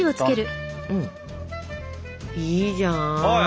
いいじゃん。